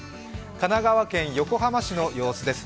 神奈川県横浜市の様子です。